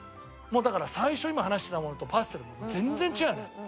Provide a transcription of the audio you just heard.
もうだから最初今話してたものとパステルは全然違うよね。